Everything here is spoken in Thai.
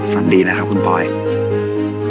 ฝันดีนะคะคุณปอนด์